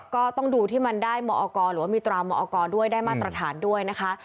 ก็ต้องดูที่มันได้มอกรหรือว่ามีตรามอกรด้วยได้มาตรฐานด้วยนะคะ